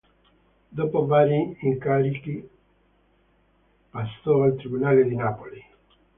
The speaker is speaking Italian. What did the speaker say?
Dopo vari incarichi passò al Tribunale di Napoli.